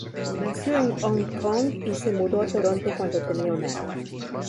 Nació en Hong Kong y se mudó a Toronto cuando tenía un año.